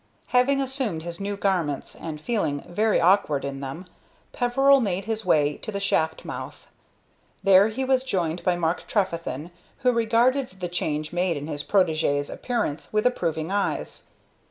Having assumed his new garments, and feeling very awkward in them, Peveril made his way to the shaft mouth. There he was joined by Mark Trefethen, who regarded the change made in his protégé's appearance with approving eyes.